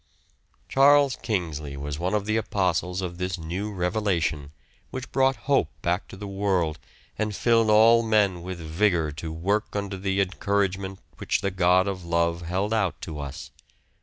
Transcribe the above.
Charles Kingsley was one of the apostles of this new revelation, which brought hope back to the world, and filled all men with vigour to work under the encouragement which the God of Love held out to us.